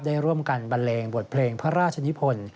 ได้ร่วมกันบันเลงบทเพลงพระราชนิพล